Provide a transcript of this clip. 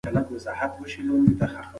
که پاراګراف وي نو متن نه اوږدیږي.